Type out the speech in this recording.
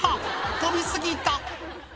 跳び過ぎた。